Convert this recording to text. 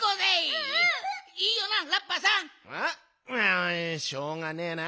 あしょうがねえな。